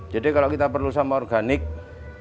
jadi kalau kita perlu sampah sampah itu bisa